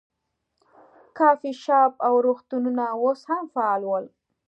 کافې شاپ او روغتونونه اوس هم فعال ول.